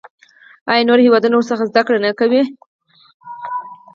آیا نور هیوادونه ورڅخه زده کړه نه کوي؟